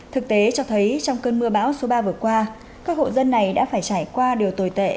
thực tế cho thấy trong cơn mưa bão số ba vừa qua các hộ dân này đã phải trải qua điều tồi tệ